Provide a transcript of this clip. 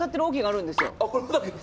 あるんです。